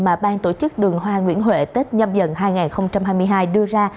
mà bang tổ chức đường hoa nguyễn huệ tết nhâm dần hai nghìn hai mươi hai đưa ra